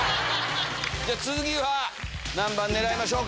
じゃあ次は、何番狙いましょうか。